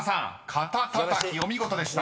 「かたたたき」お見事でした］